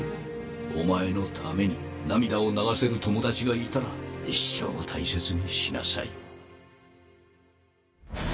お前のために涙を流せる友達がいたら一生大切にしなさい。